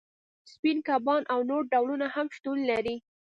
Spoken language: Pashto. سپین کبان او نور ډولونه هم شتون لري